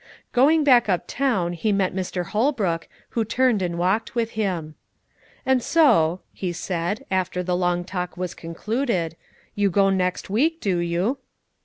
Going back up town he met Mr. Holbrook, who turned and walked with him. "And so," he said, after the long talk was concluded, "you go next week, do you?"